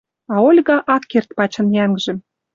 А Ольга ак керд пачын йӓнгжӹм.